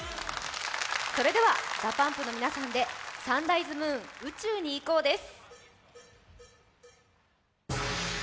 それではＤＡＰＵＭＰの皆さんで「サンライズ・ムーン宇宙に行こう」です。